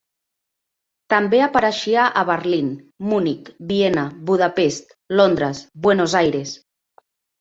També apareixia a Berlín, Munic, Viena, Budapest, Londres, Buenos Aires.